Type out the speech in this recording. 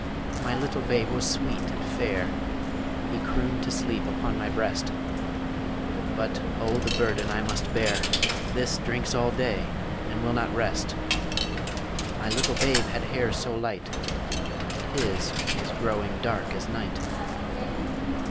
My little babe was sweet and fair, He crooned to sleep upon my breast But O the burden I must bear! This drinks all day and will not rest My little babe had hair so light And his is growing dark as night.